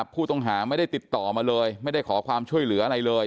ผู้ต้องหาไม่ได้ติดต่อมาเลยไม่ได้ขอความช่วยเหลืออะไรเลย